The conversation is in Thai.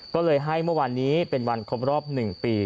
ก็เลยให้เมื่อวานนี้เป็นวันครบรอบ๑ปี